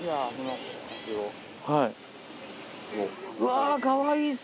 はい。